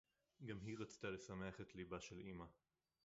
גַּם הִיא רָצְתָה לְשַׂמֵּחַ אֶת לִבָּהּ שֶׁל אִמָּא.